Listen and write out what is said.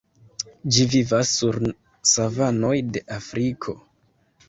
Ĝi vivas sur savanoj de Afriko.